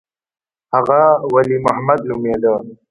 هغه ولي محمد نومېده.